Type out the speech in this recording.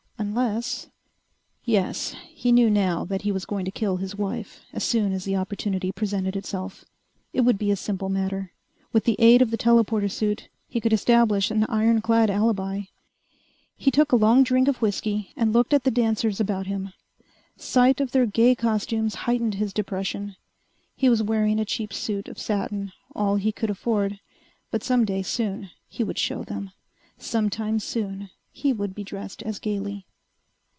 Unless ... Yes, he knew now that he was going to kill his wife as soon as the opportunity presented itself. It would be a simple matter. With the aid of the telporter suit, he could establish an iron clad alibi. He took a long drink of whiskey and looked at the dancers about him. Sight of their gay costumes heightened his depression. He was wearing a cheap suit of satin, all he could afford. But some day soon he would show them! Some time soon he would be dressed as gaily....